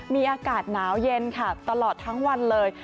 มีอากาศหนาวเย็นค่ะตลอดทั้งวันเลย